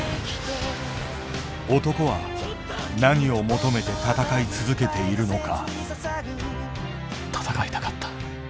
男は何を求めて戦い続けているのか。